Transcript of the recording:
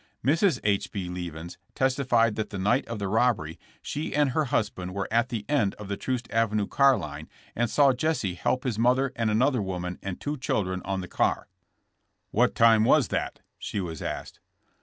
Mrs. H. B. Leavins testified that the night of the robbery she and her husband were at the end of the Troost avenue car line and saw Jesse help his mother and another woman and two children on the car. *'What time was that?" she was asked.